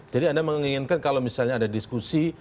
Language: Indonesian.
jadi anda menginginkan kalau misalnya ada diskusi